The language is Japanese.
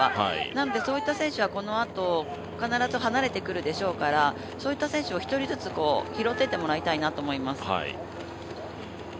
なのでそんな選手はこのあと必ず離れてくるでしょうから、そういった選手を１人ずつ拾っていってもらいたいなと思います。